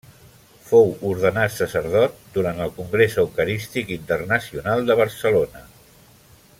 Fou ordenat sacerdot durant el Congrés Eucarístic Internacional de Barcelona.